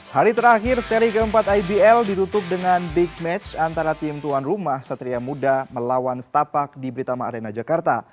hari terakhir seri keempat ibl ditutup dengan big match antara tim tuan rumah satria muda melawan setapak di britama arena jakarta